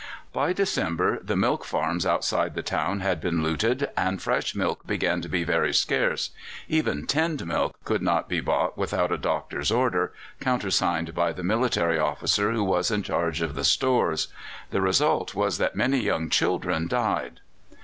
By December the milk farms outside the town had been looted, and fresh milk began to be very scarce; even tinned milk could not be bought without a doctor's order, countersigned by the military officer who was in charge of the stores. The result was that many young children died.